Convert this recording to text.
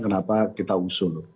kenapa kita usul